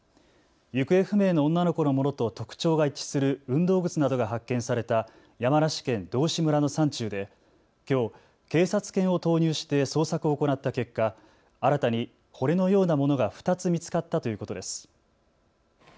行方不明の女の子のものと特徴が一致する運動靴などが発見された山梨県道志村の山中できょう警察犬を投入して捜索を行った結果、新たに骨のようなものが２つ見つかったということです。